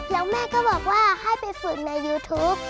แล้วแม่ก็บอกว่าให้ไปฝึกในยูทูป